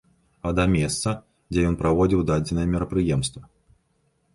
А да месца, дзе ён праводзіў дадзенае мерапрыемства.